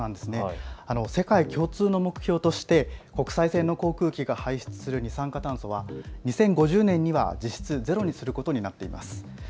世界共通の目標として国際線の航空機が排出する二酸化炭素は２０５０年には実質ゼロにすることになっています。